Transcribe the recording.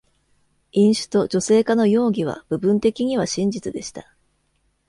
飲酒と女性化の容疑は部分的には真実でした。